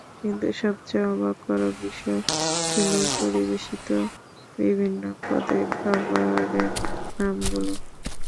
কিন্তু সবচেয়ে অবাক করা বিষয় ছিল পরিবেশিত বিভিন্ন পদের খাবারের নামগুলো।